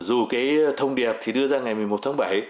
dù thông điệp đưa ra ngày một mươi một tháng bảy